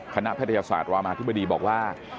แพทยศาสตร์รามาธิบดีบอกว่า